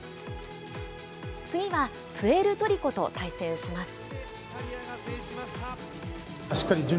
次はプエルトリコと対戦します。